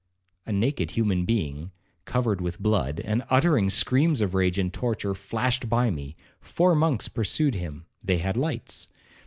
A naked human being, covered with blood, and uttering screams of rage and torture, flashed by me; four monks pursued him—they had lights.